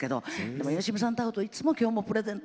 でもよしみさんと会うといつも今日もプレゼント。